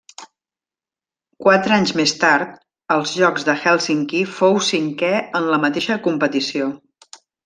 Quatre anys més tard, als Jocs de Hèlsinki, fou cinquè en la mateixa competició.